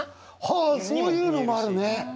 はあそういうのもあるね！